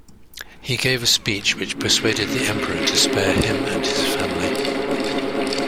He gave a speech which persuaded the emperor to spare him and his family.